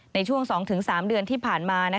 ในช่วง๒๓เดือนที่ผ่านมา